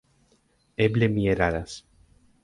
Eble mi eraras.